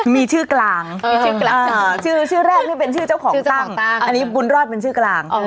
มีชื่อกลางชื่อแรกนี่เป็นชื่อเจ้าของตั้งอันนี้บุญรอดเป็นชื่อกลาง